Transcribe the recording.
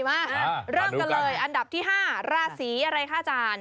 มาเริ่มกันเลยอันดับที่๕ราศีอะไรคะอาจารย์